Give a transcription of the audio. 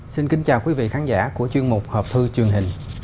xin kính chào quý vị khán giả của chuyên mục hộp thư truyền hình